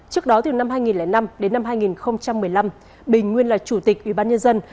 trước đó từ năm hai nghìn năm đến năm hai nghìn một mươi năm bình nguyên là chủ tịch ủy ban nhân dân